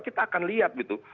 kita akan lihat gitu